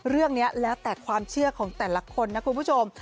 เรื่องนี้แล้วแต่ความเชื่อของแต่ละคนนะคุณผู้ชม